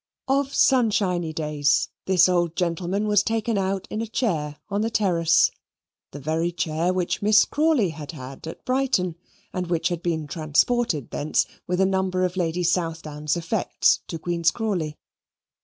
Of sunshiny days this old gentleman was taken out in a chair on the terrace the very chair which Miss Crawley had had at Brighton, and which had been transported thence with a number of Lady Southdown's effects to Queen's Crawley.